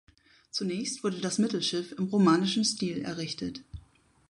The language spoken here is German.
Zunächst wurde das Mittelschiff im romanischen Stil errichtet.